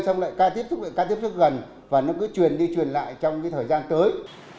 xong lại ca tiếp xúc gần và nó cứ truyền đi truyền lại trong cái thời gian tới